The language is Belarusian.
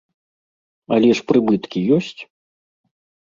Але ж прыбыткі ёсць!